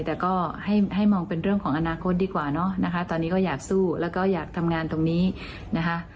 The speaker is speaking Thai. แต่ก็ให้มองเป็นเรื่องของอนาคตดีกว่าเนอะนะคะตอนนี้ก็อยากสู้แล้วก็อยากทำงานตรงนี้นะคะ